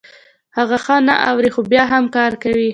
هغه ښه نه اوري خو بيا هم کار کوي.